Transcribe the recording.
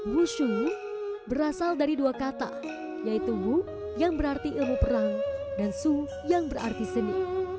wushu berasal dari dua kata yaitu wu yang berarti ilmu perang dan su yang berarti seni